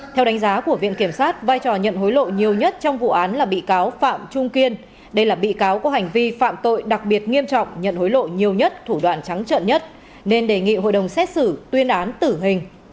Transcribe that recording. theo đánh giá của viện kiểm sát vai trò nhận hối lộ nhiều nhất trong vụ án là bị cáo phạm trung kiên đây là bị cáo có hành vi phạm tội đặc biệt nghiêm trọng nhận hối lộ nhiều nhất thủ đoạn trắng trận nhất nên đề nghị hội đồng xét xử tuyên án tử hình